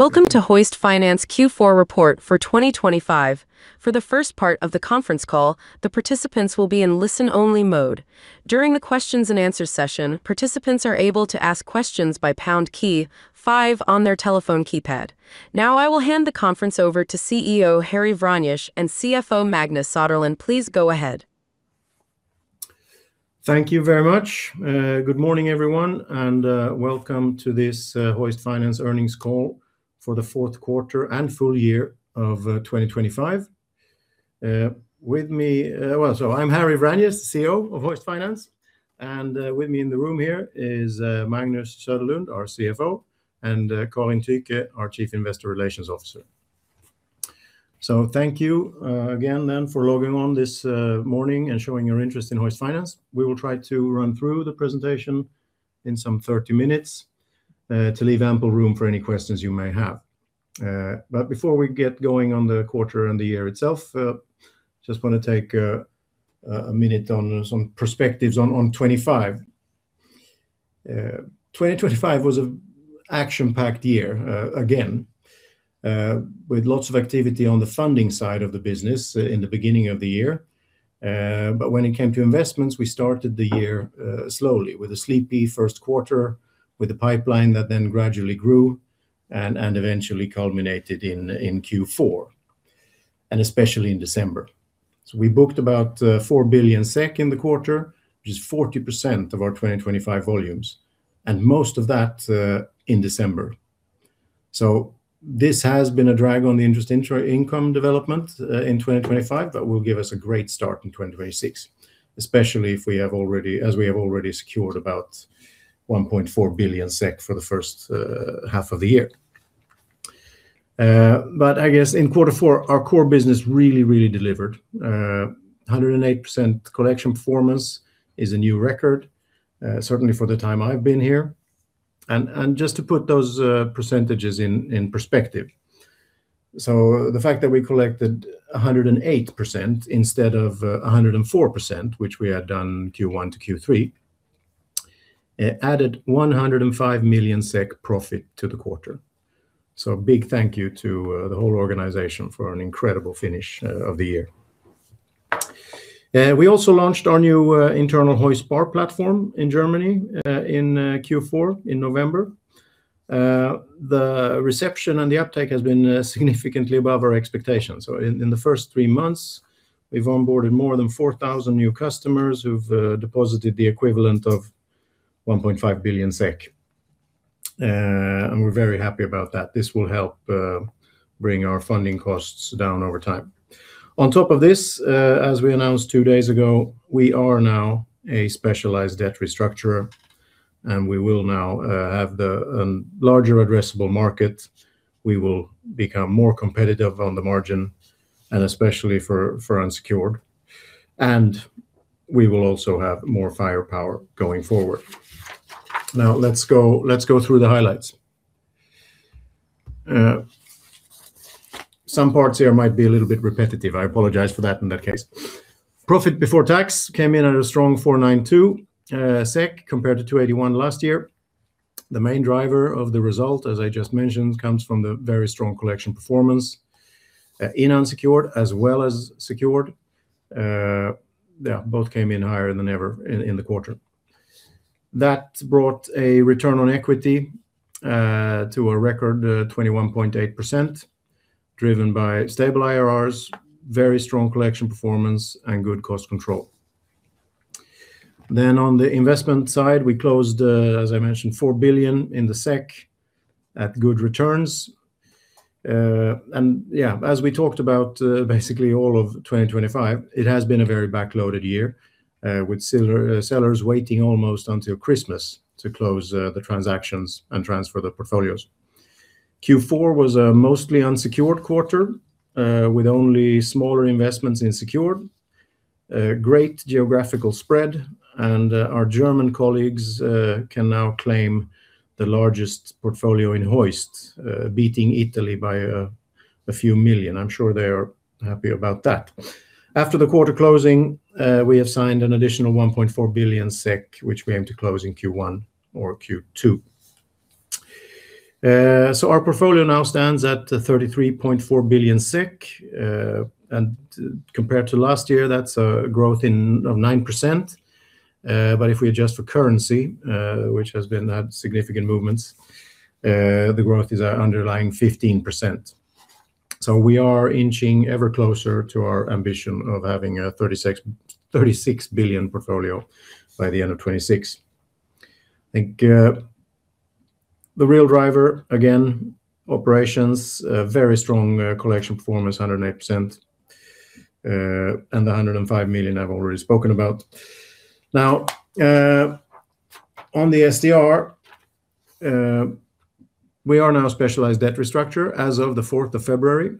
Welcome to Hoist Finance Q4 report for 2025. For the first part of the conference call, the participants will be in listen-only mode. During the questions-and-answers session, participants are able to ask questions by pound key five on their telephone keypad. Now I will hand the conference over to CEO Harry Vranjes and CFO Magnus Söderlund, please go ahead. Thank you very much. Good morning, everyone, and welcome to this Hoist Finance earnings call for the fourth quarter and full year of 2025. With me, well, so I'm Harry Vranjes, CEO of Hoist Finance, and with me in the room here is Magnus Söderlund, our CFO, and Karin Tyche, our Chief Investor Relations Officer. So thank you again then for logging on this morning and showing your interest in Hoist Finance. We will try to run through the presentation in some 30 minutes to leave ample room for any questions you may have. But before we get going on the quarter and the year itself, just want to take a minute on some perspectives on 2025. 2025 was an action-packed year, again, with lots of activity on the funding side of the business in the beginning of the year. But when it came to investments, we started the year slowly, with a sleepy first quarter, with a pipeline that then gradually grew and eventually culminated in Q4, and especially in December. So we booked about 4 billion SEK in the quarter, which is 40% of our 2025 volumes, and most of that in December. So this has been a drag on the interest income development in 2025, but will give us a great start in 2026, especially if we have already, as we have already secured about 1.4 billion SEK for the first half of the year. But I guess in quarter four, our core business really, really delivered. 108% collection performance is a new record, certainly for the time I've been here. Just to put those percentages in perspective, so the fact that we collected 108% instead of 104%, which we had done Q1 to Q3, added 105 million SEK profit to the quarter. A big thank you to the whole organization for an incredible finish of the year. We also launched our new internal HoistSpar platform in Germany in Q4, in November. The reception and the uptake has been significantly above our expectations. In the first three months, we've onboarded more than 4,000 new customers who've deposited the equivalent of 1.5 billion SEK. We're very happy about that. This will help bring our funding costs down over time. On top of this, as we announced two days ago, we are now a specialized debt restructurer, and we will now have a larger addressable market. We will become more competitive on the margin, and especially for unsecured. We will also have more firepower going forward. Now let's go through the highlights. Some parts here might be a little bit repetitive. I apologize for that in that case. Profit before tax came in at a strong 492 SEK compared to 281 last year. The main driver of the result, as I just mentioned, comes from the very strong collection performance in unsecured as well as secured. Yeah, both came in higher than ever in the quarter. That brought a return on equity to a record 21.8%, driven by stable IRRs, very strong collection performance, and good cost control. On the investment side, we closed, as I mentioned, 4 billion at good returns. And yeah, as we talked about basically all of 2025, it has been a very backloaded year, with sellers waiting almost until Christmas to close the transactions and transfer the portfolios. Q4 was a mostly unsecured quarter, with only smaller investments in secured, great geographical spread, and our German colleagues can now claim the largest portfolio in Hoist, beating Italy by a few million. I'm sure they are happy about that. After the quarter closing, we have signed an additional 1.4 billion SEK, which we aim to close in Q1 or Q2. So our portfolio now stands at 33.4 billion. Compared to last year, that's a growth of 9%. But if we adjust for currency, which has had significant movements, the growth is underlying 15%. So we are inching ever closer to our ambition of having a 36 billion portfolio by the end of 2026. I think the real driver, again, operations, very strong collection performance, 108%, and the 105 million I've already spoken about. Now, on the SDR, we are now a specialized debt restructurer as of the 4th of February.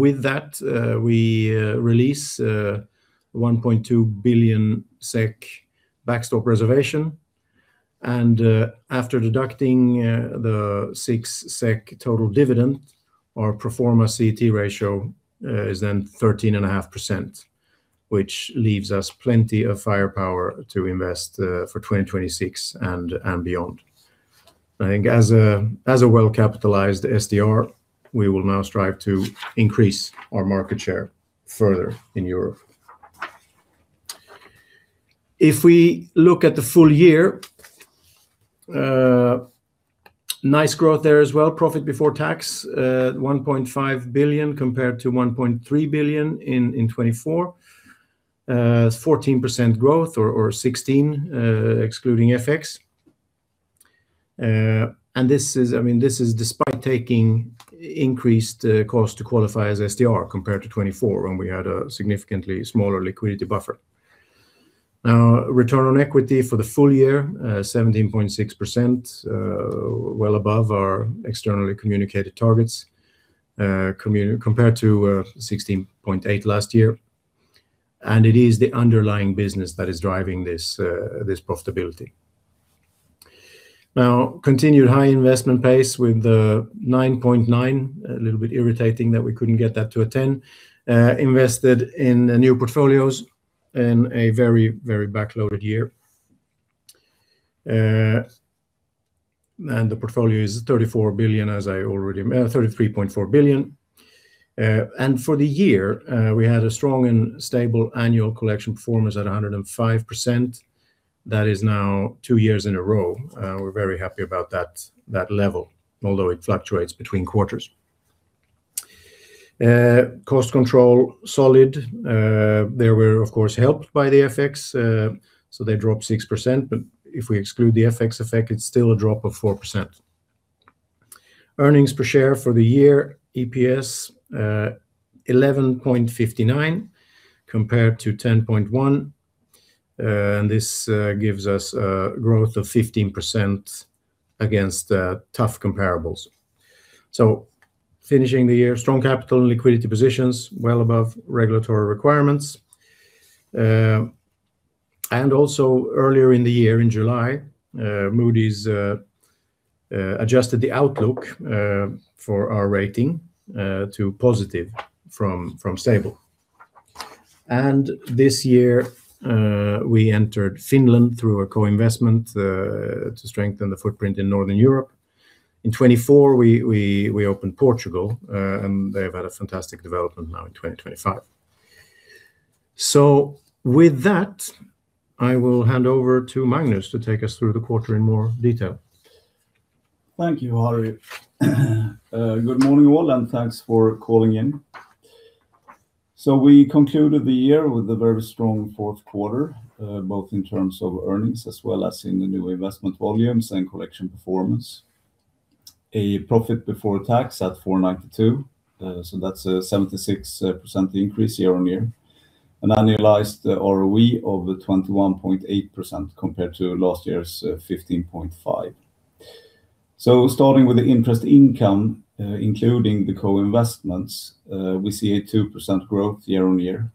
With that, we release 1.2 billion SEK backstop reservation. And after deducting the 6 SEK total dividend, our performance CET ratio is then 13.5%, which leaves us plenty of firepower to invest for 2026 and beyond. I think as a well-capitalized SDR, we will now strive to increase our market share further in Europe. If we look at the full year, nice growth there as well. Profit before tax, 1.5 billion compared to 1.3 billion in 2024. 14% growth or 16%, excluding FX. And I mean, this is despite taking increased cost to qualify as SDR compared to 2024 when we had a significantly smaller liquidity buffer. Now, return on equity for the full year, 17.6%, well above our externally communicated targets compared to 16.8% last year. It is the underlying business that is driving this profitability. Now, continued high investment pace with 9.9, a little bit irritating that we couldn't get that to a 10, invested in new portfolios in a very, very backloaded year. And the portfolio is 34 billion, as I already 33.4 billion. For the year, we had a strong and stable annual collection performance at 105%. That is now two years in a row. We're very happy about that level, although it fluctuates between quarters. Cost control, solid. They were, of course, helped by the FX, so they dropped 6%. But if we exclude the FX effect, it's still a drop of 4%. Earnings per share for the year, EPS 11.59 compared to 10.1. This gives us a growth of 15% against tough comparables. Finishing the year, strong capital and liquidity positions, well above regulatory requirements. Also earlier in the year, in July, Moody's adjusted the outlook for our rating to positive from stable. This year, we entered Finland through a co-investment to strengthen the footprint in Northern Europe. In 2024, we opened Portugal, and they've had a fantastic development now in 2025. With that, I will hand over to Magnus to take us through the quarter in more detail. Thank you, Harry. Good morning, all, and thanks for calling in. So we concluded the year with a very strong fourth quarter, both in terms of earnings as well as in the new investment volumes and collection performance. A profit before tax at 492 million, so that's a 76% increase year-over-year. An annualized ROE of 21.8% compared to last year's 15.5%. So starting with the interest income, including the co-investments, we see a 2% growth year-over-year.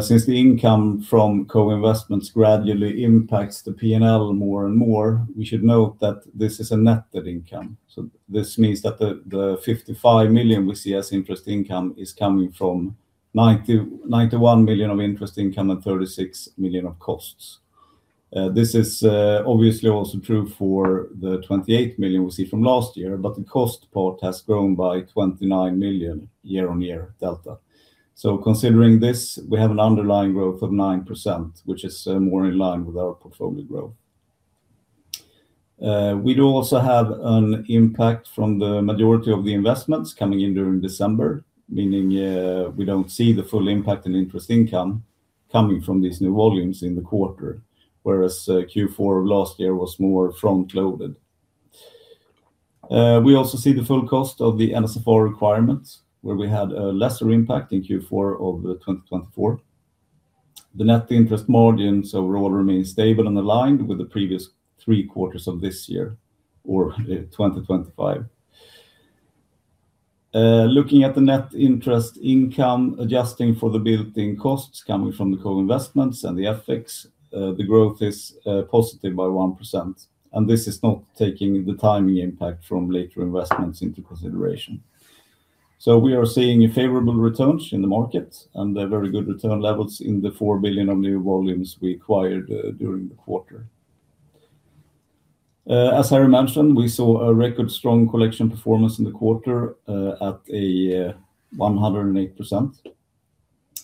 Since the income from co-investments gradually impacts the P&L more and more, we should note that this is a netted income. So this means that the 55 million we see as interest income is coming from 91 million of interest income and 36 million of costs. This is obviously also true for the 28 million we see from last year, but the cost part has grown by 29 million year on year delta. So considering this, we have an underlying growth of 9%, which is more in line with our portfolio growth. We do also have an impact from the majority of the investments coming in during December, meaning we don't see the full impact in interest income coming from these new volumes in the quarter, whereas Q4 of last year was more front-loaded. We also see the full cost of the NSFR requirements, where we had a lesser impact in Q4 of 2024. The net interest margins overall remain stable and aligned with the previous three quarters of this year or 2025. Looking at the net interest income adjusting for the built-in costs coming from the co-investments and the FX, the growth is positive by 1%. This is not taking the timing impact from later investments into consideration. We are seeing favorable returns in the market and very good return levels in the 4 billion of new volumes we acquired during the quarter. As Harry mentioned, we saw a record strong collection performance in the quarter at 108%.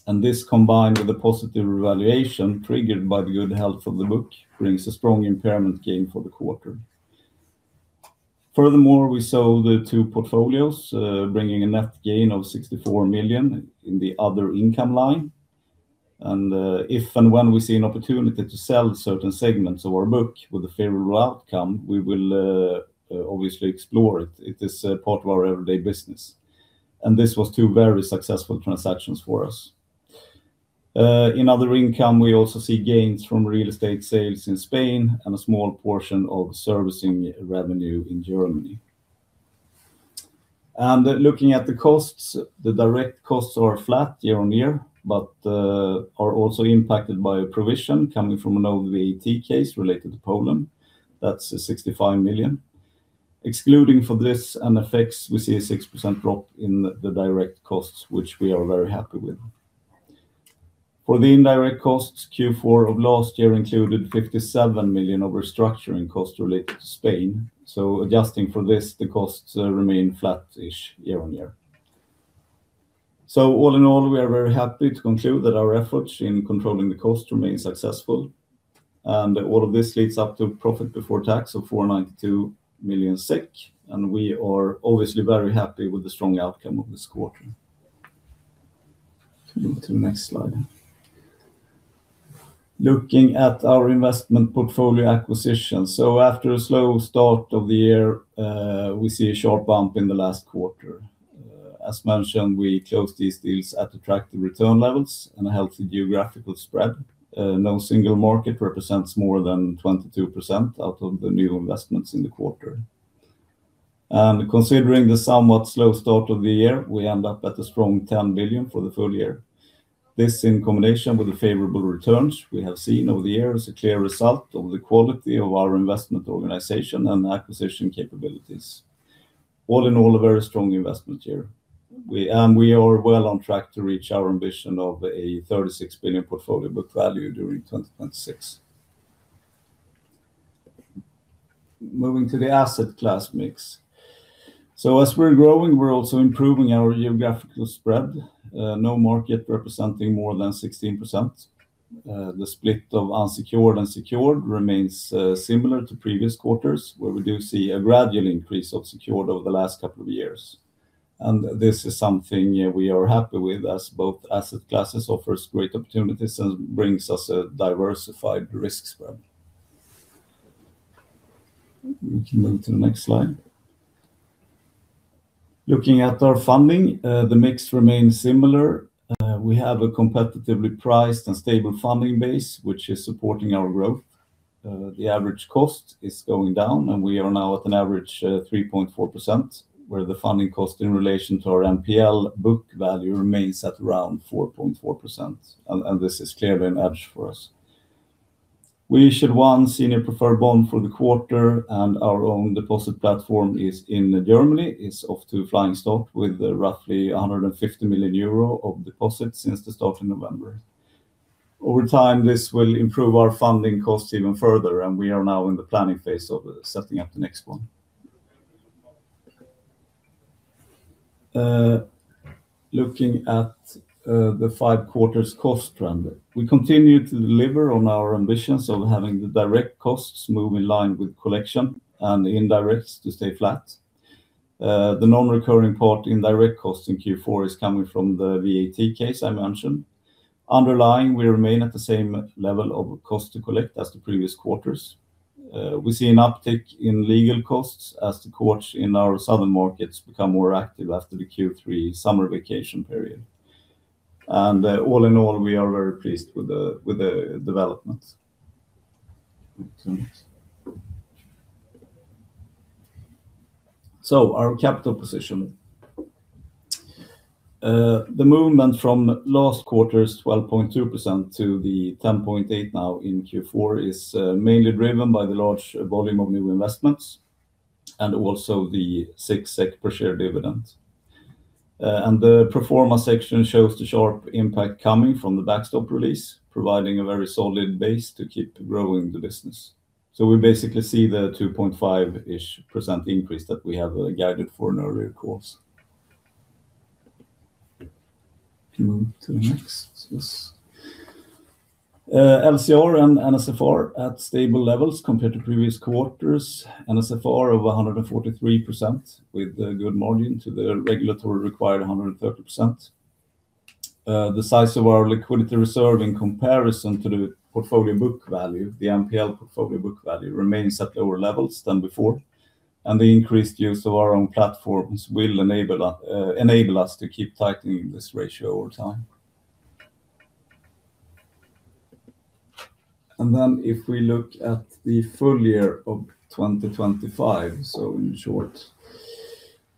This combined with the positive revaluation triggered by the good health of the book brings a strong impairment gain for the quarter. Furthermore, we sold two portfolios, bringing a net gain of 64 million in the other income line. If and when we see an opportunity to sell certain segments of our book with a favorable outcome, we will obviously explore it. It is part of our everyday business. This was two very successful transactions for us. In other income, we also see gains from real estate sales in Spain and a small portion of servicing revenue in Germany. Looking at the costs, the direct costs are flat year-on-year but are also impacted by a provision coming from an OVAT case related to Poland. That's 65 million. Excluding for this and FX, we see a 6% drop in the direct costs, which we are very happy with. For the indirect costs, Q4 of last year included 57 million of restructuring costs related to Spain. Adjusting for this, the costs remain flat-ish year-on-year. All in all, we are very happy to conclude that our efforts in controlling the costs remain successful. All of this leads up to profit before tax of 492 million SEK. We are obviously very happy with the strong outcome of this quarter. Move to the next slide. Looking at our investment portfolio acquisition. So after a slow start of the year, we see a sharp bump in the last quarter. As mentioned, we closed these deals at attractive return levels and a healthy geographical spread. No single market represents more than 22% out of the new investments in the quarter. Considering the somewhat slow start of the year, we end up at a strong 10 billion for the full year. This, in combination with the favorable returns we have seen over the years, is a clear result of the quality of our investment organization and acquisition capabilities. All in all, a very strong investment year. We are well on track to reach our ambition of a 36 billion portfolio book value during 2026. Moving to the asset class mix. So as we're growing, we're also improving our geographical spread, no market representing more than 16%. The split of unsecured and secured remains similar to previous quarters, where we do see a gradual increase of secured over the last couple of years. And this is something we are happy with as both asset classes offer great opportunities and bring us a diversified risk spread. We can move to the next slide. Looking at our funding, the mix remains similar. We have a competitively priced and stable funding base, which is supporting our growth. The average cost is going down, and we are now at an average 3.4%, where the funding cost in relation to our NPL book value remains at around 4.4%. And this is clearly an edge for us. We issued one senior preferred bond for the quarter, and our own deposit platform in Germany is off to a flying start with roughly 150 million euro of deposits since the start in November. Over time, this will improve our funding costs even further, and we are now in the planning phase of setting up the next one. Looking at the five quarters cost trend, we continue to deliver on our ambitions of having the direct costs move in line with collection and the indirects to stay flat. The non-recurring part indirect costs in Q4 is coming from the VAT case I mentioned. Underlying, we remain at the same level of cost to collect as the previous quarters. We see an uptick in legal costs as the courts in our southern markets become more active after the Q3 summer vacation period. All in all, we are very pleased with the developments. Our capital position. The movement from last quarter's 12.2% to the 10.8% now in Q4 is mainly driven by the large volume of new investments and also the 6 SEK per share dividend. The performance section shows the sharp impact coming from the backstop release, providing a very solid base to keep growing the business. We basically see the 2.5%-ish increase that we have guided for in earlier calls. Can move to the next. Yes. LCR and NSFR at stable levels compared to previous quarters. NSFR of 143% with a good margin to the regulatory required 130%. The size of our liquidity reserve in comparison to the portfolio book value, the NPL portfolio book value, remains at lower levels than before. The increased use of our own platforms will enable us to keep tightening this ratio over time. Then if we look at the full year of 2025, so in short,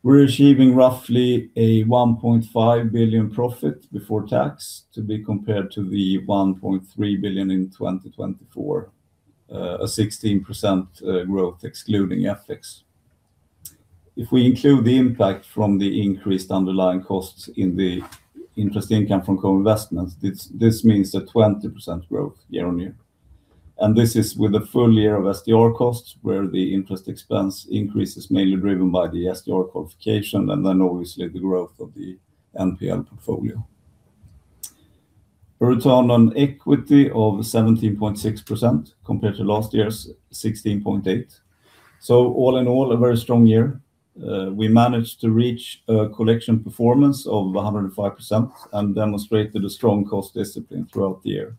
we're achieving roughly 1.5 billion profit before tax to be compared to the 1.3 billion in 2024, a 16% growth excluding FX. If we include the impact from the increased underlying costs in the interest income from co-investments, this means a 20% growth year-on-year. This is with a full year of SDR costs where the interest expense increase is mainly driven by the SDR qualification and then obviously the growth of the NPL portfolio. Return on equity of 17.6% compared to last year's 16.8%. All in all, a very strong year. We managed to reach a collection performance of 105% and demonstrated a strong cost discipline throughout the year.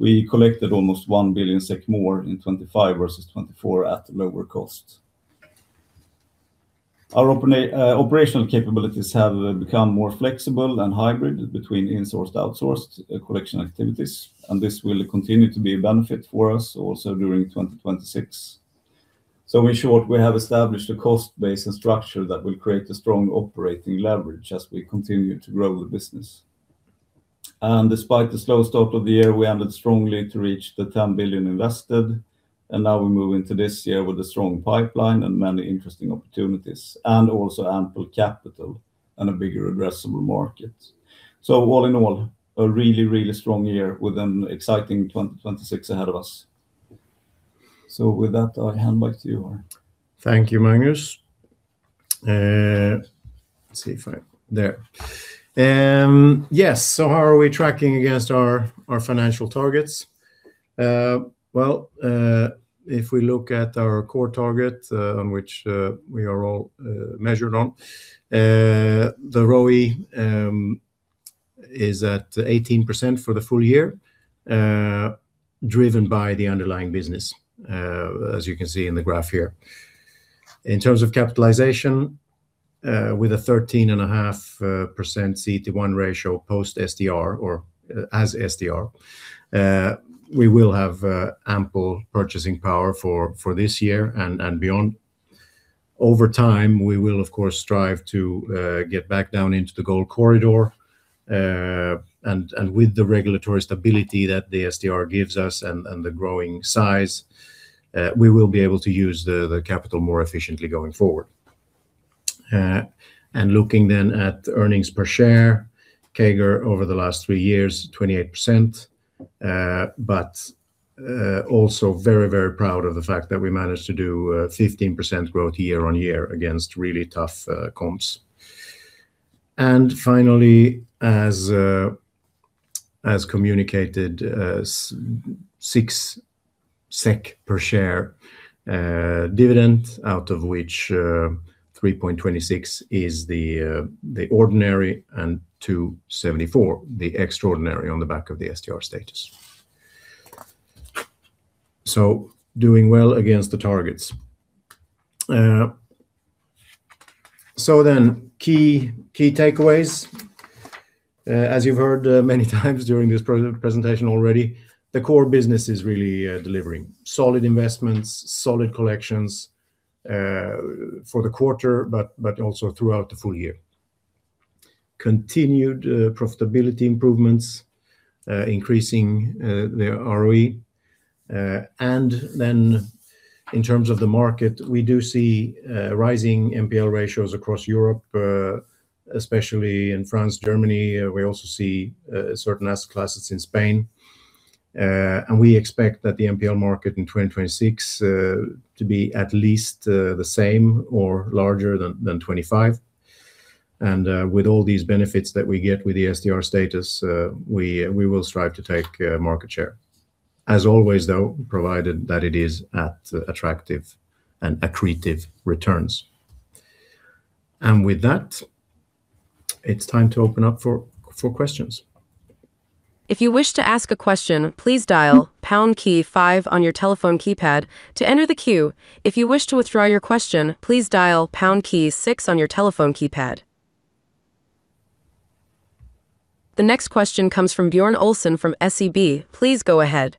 We collected almost 1 billion SEK more in 2025 versus 2024 at lower cost. Our operational capabilities have become more flexible and hybrid between insourced/outsourced collection activities, and this will continue to be a benefit for us also during 2026. So in short, we have established a cost base and structure that will create a strong operating leverage as we continue to grow the business. And despite the slow start of the year, we aimed strongly to reach the 10 billion invested. And now we move into this year with a strong pipeline and many interesting opportunities and also ample capital and a bigger addressable market. So all in all, a really, really strong year with an exciting 2026 ahead of us. So with that, I hand back to you, Harry. Thank you, Magnus. Let's see if I'm there. Yes. So how are we tracking against our financial targets? Well, if we look at our core target on which we are all measured on, the ROE is at 18% for the full year, driven by the underlying business, as you can see in the graph here. In terms of capitalization, with a 13.5% CET1 ratio post-SDR or as SDR, we will have ample purchasing power for this year and beyond. Over time, we will, of course, strive to get back down into the gold corridor. With the regulatory stability that the SDR gives us and the growing size, we will be able to use the capital more efficiently going forward. Looking then at earnings per share, CAGR over the last three years, 28%, but also very, very proud of the fact that we managed to do 15% growth year-over-year against really tough comps. And finally, as communicated, SEK 6 per share dividend, out of which 3.26 is the ordinary and 2.74 the extraordinary on the back of the SDR status. So doing well against the targets. So then key takeaways, as you've heard many times during this presentation already, the core business is really delivering solid investments, solid collections for the quarter, but also throughout the full year. Continued profitability improvements, increasing the ROE. And then in terms of the market, we do see rising NPL ratios across Europe, especially in France, Germany. We also see certain asset classes in Spain. We expect that the NPL market in 2026 to be at least the same or larger than 2025. With all these benefits that we get with the SDR status, we will strive to take market share, as always, though, provided that it is at attractive and accretive returns. With that, it's time to open up for questions. If you wish to ask a question, please dial pound key five on your telephone keypad to enter the queue. If you wish to withdraw your question, please dial pound key six on your telephone keypad. The next question comes from Björn Ölsen from SEB. Please go ahead.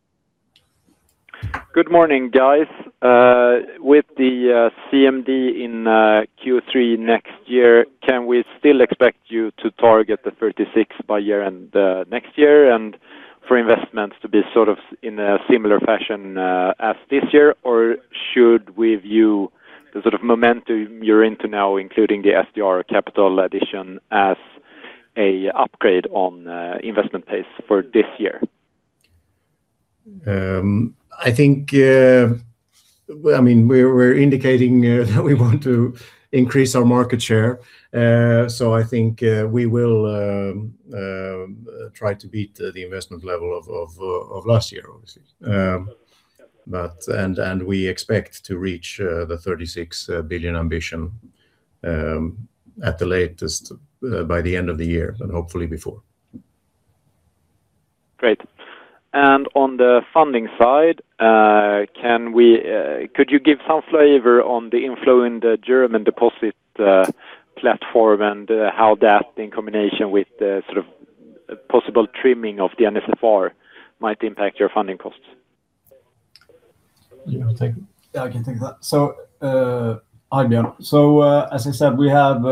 Good morning, guys. With the CMD in Q3 next year, can we still expect you to target the 36% by year-end next year and for investments to be sort of in a similar fashion as this year? Or should we view the sort of momentum you're into now, including the SDR capital addition, as an upgrade on investment pace for this year? I think I mean, we're indicating that we want to increase our market share. So I think we will try to beat the investment level of last year, obviously. And we expect to reach the 36 billion ambition at the latest by the end of the year and hopefully before. Great. On the funding side, could you give some flavor on the inflow in the German deposit platform and how that, in combination with sort of possible trimming of the NSFR, might impact your funding costs? Yeah, I can take that. So hi, Björn. So as I said, we have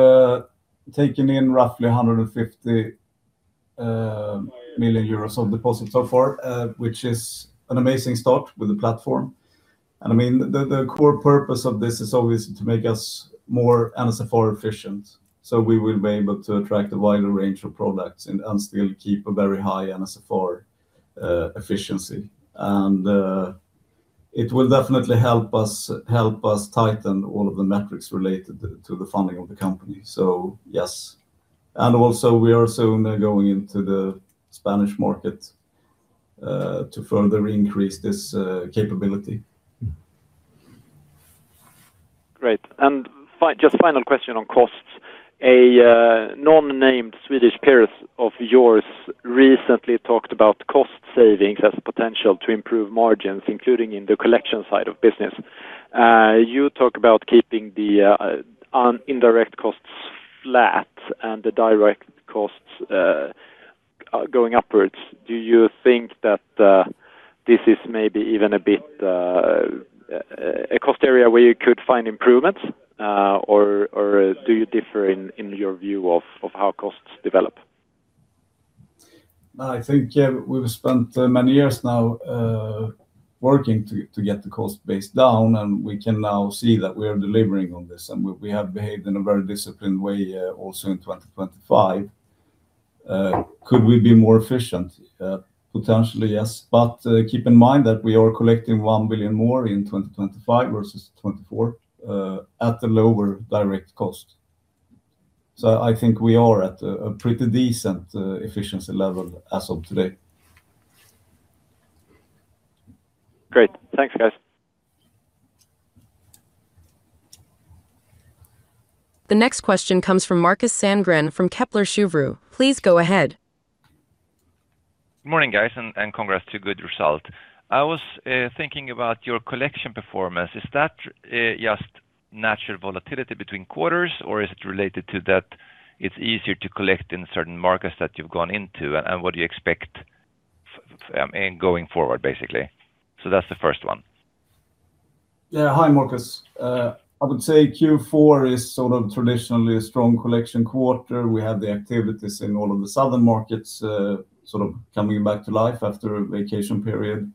taken in roughly 150 million euros of deposits so far, which is an amazing start with the platform. And I mean, the core purpose of this is obviously to make us more NSFR efficient. So we will be able to attract a wider range of products and still keep a very high NSFR efficiency. And it will definitely help us tighten all of the metrics related to the funding of the company. So yes. And also, we are soon going into the Spanish market to further increase this capability. Great. And just final question on costs. A non-named Swedish peer of yours recently talked about cost savings as a potential to improve margins, including in the collection side of business. You talk about keeping the indirect costs flat and the direct costs going upwards. Do you think that this is maybe even a bit a cost area where you could find improvements? Or do you differ in your view of how costs develop? No, I think we've spent many years now working to get the cost base down, and we can now see that we are delivering on this. And we have behaved in a very disciplined way also in 2025. Could we be more efficient? Potentially, yes. But keep in mind that we are collecting 1 billion more in 2025 versus 2024 at a lower direct cost. So I think we are at a pretty decent efficiency level as of today. Great. Thanks, guys. The next question comes from Marcus Sandgren from Kepler Cheuvreux. Please go ahead. Good morning, guys, and congrats to a good result. I was thinking about your collection performance. Is that just natural volatility between quarters, or is it related to that it's easier to collect in certain markets that you've gone into and what do you expect going forward, basically? So that's the first one. Hi, Marcus. I would say Q4 is sort of traditionally a strong collection quarter. We have the activities in all of the southern markets sort of coming back to life after a vacation period.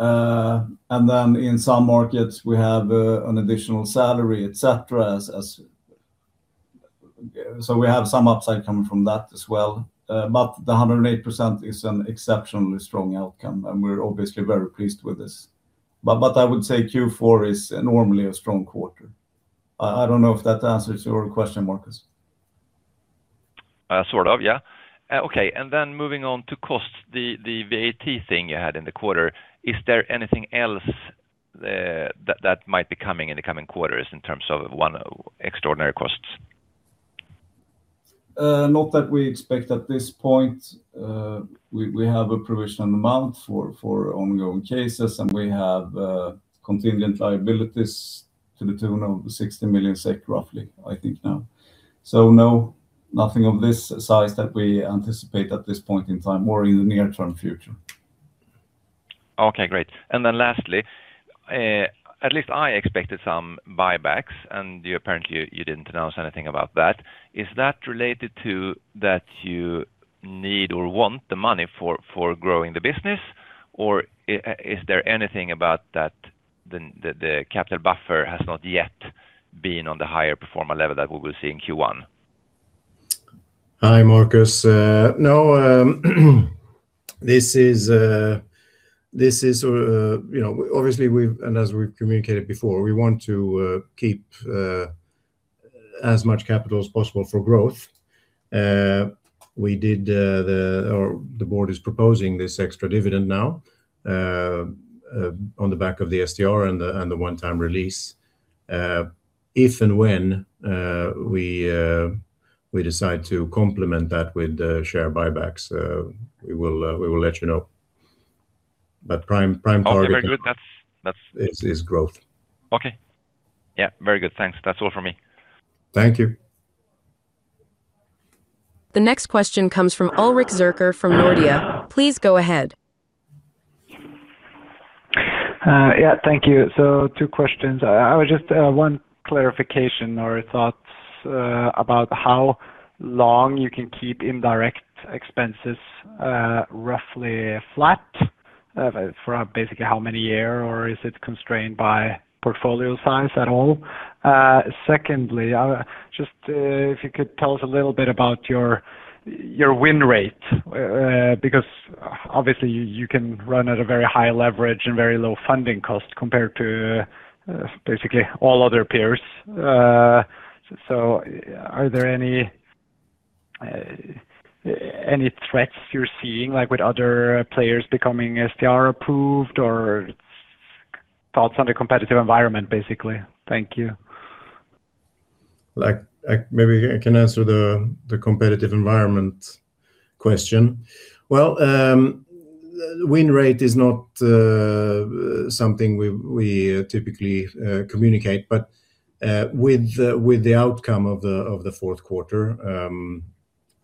And then in some markets, we have an additional salary, etc. So we have some upside coming from that as well. But the 108% is an exceptionally strong outcome, and we're obviously very pleased with this. But I would say Q4 is normally a strong quarter. I don't know if that answers your question, Marcus. Sort of, yeah. Okay. And then moving on to costs, the VAT thing you had in the quarter, is there anything else that might be coming in the coming quarters in terms of extraordinary costs? Not that we expect at this point. We have a provisional amount for ongoing cases, and we have contingent liabilities to the tune of 60 million SEK roughly, I think, now. So no, nothing of this size that we anticipate at this point in time or in the near-term future. Okay, great. And then lastly, at least I expected some buybacks, and apparently, you didn't announce anything about that. Is that related to that you need or want the money for growing the business, or is there anything about that the capital buffer has not yet been on the higher-performer level that we will see in Q1? Hi, Marcus. No, this is obviously, and as we've communicated before, we want to keep as much capital as possible for growth. The board is proposing this extra dividend now on the back of the SDR and the one-time release. If and when we decide to complement that with share buybacks, we will let you know. But prime target. Okay, very good. That's. Is growth. Okay. Yeah, very good. Thanks. That's all from me. Thank you. The next question comes from Ulrik Zürcher from Nordea. Please go ahead. Yeah, thank you. So two questions. I would just have one clarification or thoughts about how long you can keep indirect expenses roughly flat, basically how many years, or is it constrained by portfolio size at all? Secondly, just if you could tell us a little bit about your win rate because obviously, you can run at a very high leverage and very low funding cost compared to basically all other peers. So are there any threats you're seeing with other players becoming SDR-approved or thoughts on the competitive environment, basically? Thank you. Maybe I can answer the competitive environment question. Well, win rate is not something we typically communicate. But with the outcome of the fourth quarter,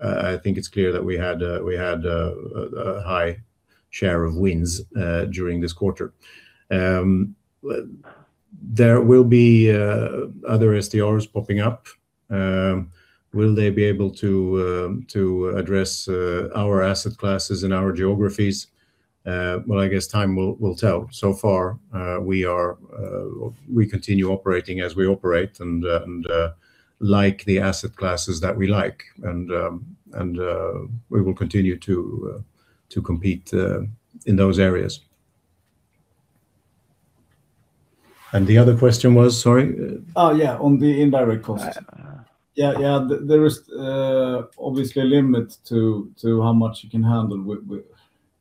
I think it's clear that we had a high share of wins during this quarter. There will be other SDRs popping up. Will they be able to address our asset classes and our geographies? Well, I guess time will tell. So far, we continue operating as we operate and like the asset classes that we like. And we will continue to compete in those areas. And the other question was, sorry? Oh, yeah, on the indirect costs. Yeah, yeah. There is obviously a limit to how much you can handle.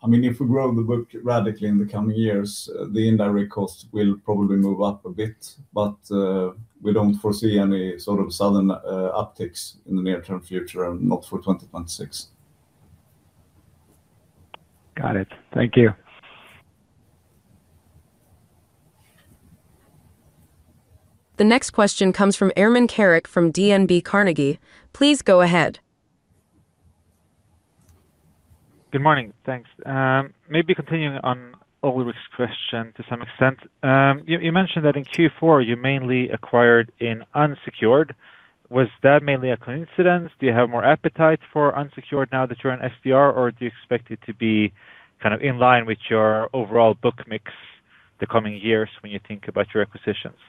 I mean, if we grow the book radically in the coming years, the indirect costs will probably move up a bit. But we don't foresee any sort of sudden upticks in the near-term future, not for 2026. Got it. Thank you. The next question comes from Eivind Garvik from Carnegie Investment Bank. Please go ahead. Good morning. Thanks. Maybe continuing on Ulrik's question to some extent, you mentioned that in Q4, you mainly acquired in unsecured. Was that mainly a coincidence? Do you have more appetite for unsecured now that you're in SDR, or do you expect it to be kind of in line with your overall book mix the coming years when you think about your acquisitions?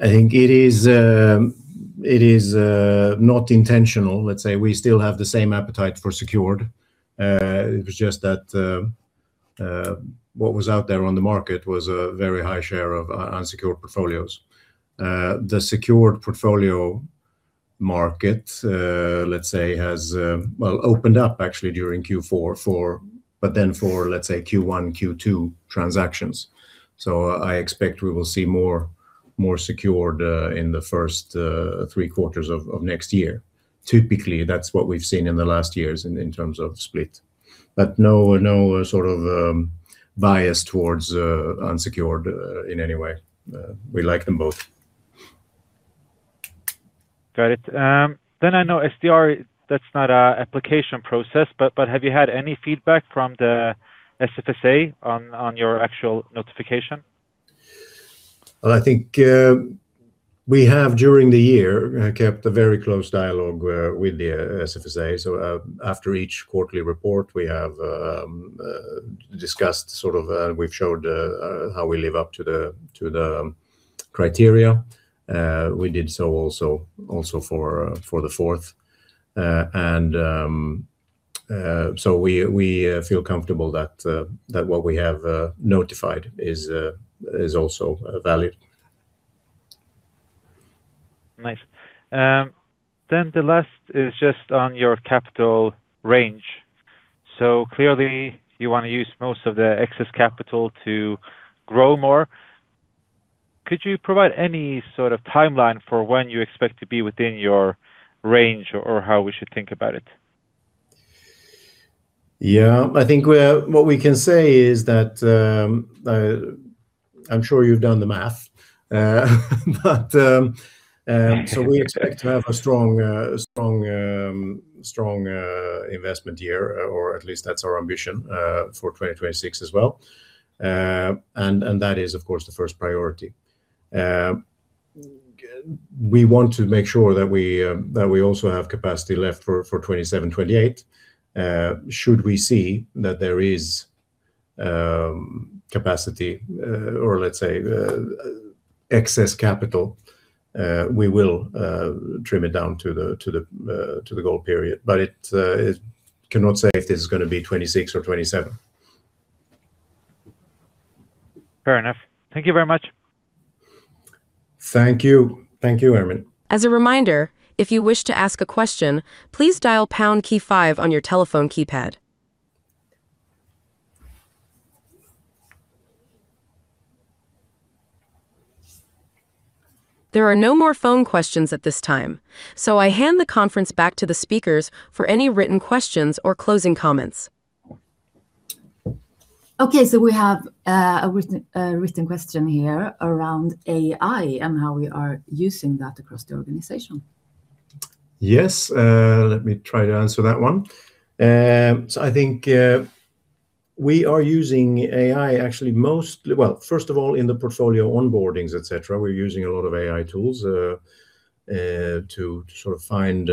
I think it is not intentional. Let's say we still have the same appetite for secured. It was just that what was out there on the market was a very high share of unsecured portfolios. The secured portfolio market, let's say, has opened up actually during Q4, but then for, let's say, Q1, Q2 transactions. So I expect we will see more secured in the first three quarters of next year. Typically, that's what we've seen in the last years in terms of split. But no sort of bias towards unsecured in any way. We like them both. Got it. Then I know SDR, that's not an application process, but have you had any feedback from the SFSA on your actual notification? Well, I think we have, during the year, kept a very close dialogue with the SFSA. So after each quarterly report, we have discussed sort of we've showed how we live up to the criteria. We did so also for the fourth. And so we feel comfortable that what we have notified is also valid. Nice. The last is just on your capital range. Clearly, you want to use most of the excess capital to grow more. Could you provide any sort of timeline for when you expect to be within your range or how we should think about it? Yeah, I think what we can say is that I'm sure you've done the math. We expect to have a strong investment year, or at least that's our ambition for 2026 as well. That is, of course, the first priority. We want to make sure that we also have capacity left for 2027, 2028. Should we see that there is capacity or, let's say, excess capital, we will trim it down to the goal period. I cannot say if this is going to be 2026 or 2027. Fair enough. Thank you very much. Thank you. Thank you, Eivind. As a reminder, if you wish to ask a question, please dial pound key five on your telephone keypad. There are no more phone questions at this time, so I hand the conference back to the speakers for any written questions or closing comments. Okay, so we have a written question here around AI and how we are using that across the organization. Yes. Let me try to answer that one. So I think we are using AI actually most well, first of all, in the portfolio onboardings, etc. We're using a lot of AI tools to sort of find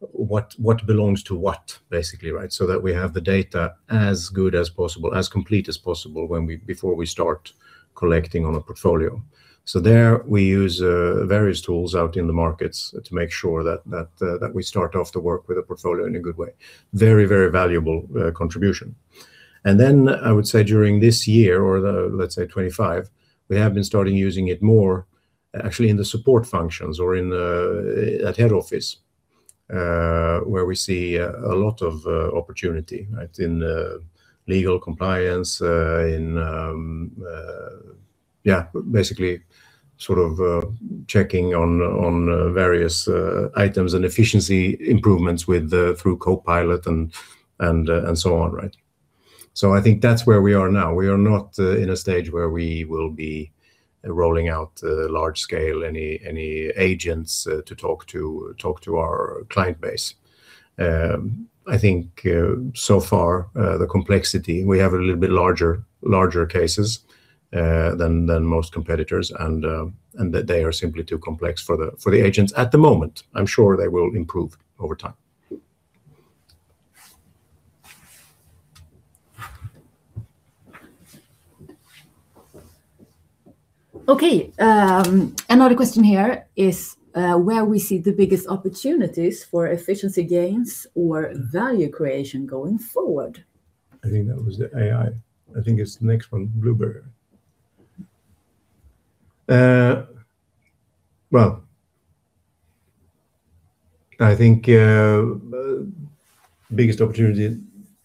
what belongs to what, basically, right, so that we have the data as good as possible, as complete as possible before we start collecting on a portfolio. So there, we use various tools out in the markets to make sure that we start off the work with a portfolio in a good way. Very, very valuable contribution. And then I would say during this year or, let's say, 2025, we have been starting using it more, actually, in the support functions or at head office, where we see a lot of opportunity, right, in legal compliance, in, yeah, basically sort of checking on various items and efficiency improvements through Copilot and so on, right? So I think that's where we are now. We are not in a stage where we will be rolling out large-scale any agents to talk to our client base. I think so far, the complexity we have a little bit larger cases than most competitors, and they are simply too complex for the agents at the moment. I'm sure they will improve over time. Okay. Another question here is where we see the biggest opportunities for efficiency gains or value creation going forward. I think that was the AI. I think it's the next one, Bloomberg. Well, I think biggest opportunity.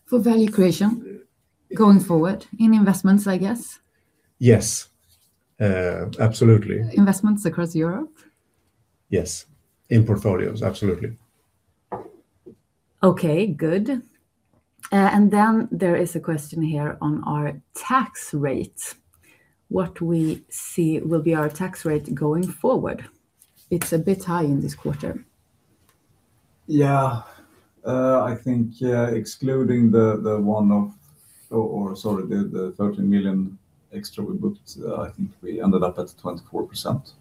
For value creation going forward in investments, I guess? Yes, absolutely. Investments across Europe? Yes, in portfolios, absolutely. Okay, good. And then there is a question here on our tax rate. What we see will be our tax rate going forward. It's a bit high in this quarter. Yeah, I think excluding, sorry, the 13 million extra we booked, I think we ended up at 24%,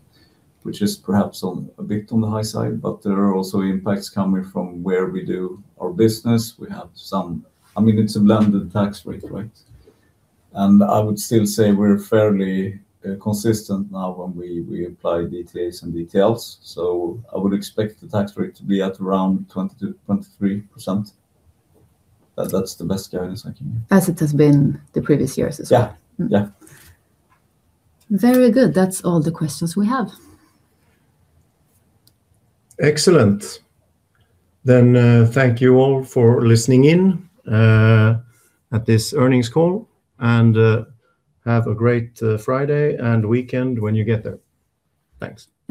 which is perhaps a bit on the high side. But there are also impacts coming from where we do our business. We have some, I mean, it's a blended tax rate, right? And I would still say we're fairly consistent now when we apply DTAs and DTLs. So I would expect the tax rate to be at around 22%-23%. That's the best guidance I can give. As it has been the previous years as well? Yeah, yeah. Very good. That's all the questions we have. Excellent. Then thank you all for listening in at this earnings call, and have a great Friday and weekend when you get there. Thanks.